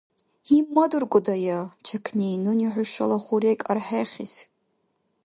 – ГьиммадуркӀудая, чякни, нуни хӀушала хурег архӀехис.